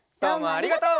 ありがとう！